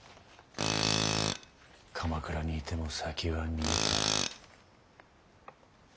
鎌倉にいても先は見えた。